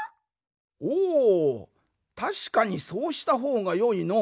おおたしかにそうしたほうがよいのう。